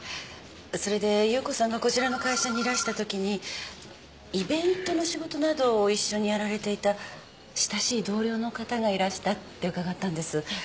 それで夕子さんがこちらの会社にいらしたときにイベントの仕事などを一緒にやられていた親しい同僚の方がいらしたって伺ったんです。